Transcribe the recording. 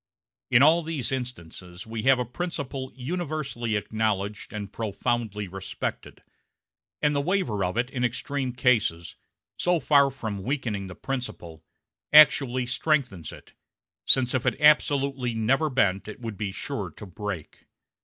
In all these instances we have a principle universally acknowledged and profoundly respected; and the waiver of it in extreme cases, so far from weakening the principle, actually strengthens it since if it absolutely never bent it would be sure to break.